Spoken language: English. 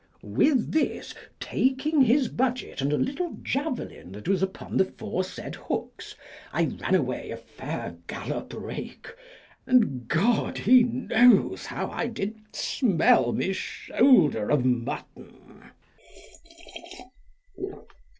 With this, taking his budget and a little javelin that was upon the foresaid hooks, I ran away a fair gallop rake, and God he knows how I did smell my shoulder of mutton.